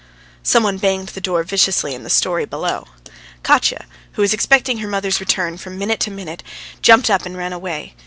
Some one banged the door viciously in the storey below. Katya, who was expecting her mother's return from minute to minute, jumped up and ran away.